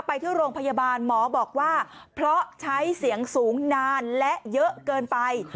ไปที่โรงพยาบาลหมอบอกว่าเพราะใช้เสียงสูงนานและเยอะเกินไป